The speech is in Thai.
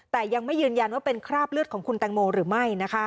แต่ยังไม่ยืนยันว่าเป็นคราบเลือดของคุณแตงโมหรือไม่